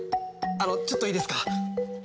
あのちょっといいですか？